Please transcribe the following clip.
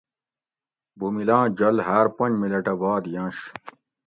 بومِلاں جل ھار پونج ملٹہ باد یںش